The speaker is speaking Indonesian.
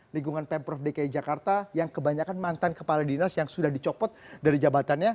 lingkungan pemprov dki jakarta yang kebanyakan mantan kepala dinas yang sudah dicopot dari jabatannya